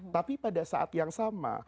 tapi pada saat yang sama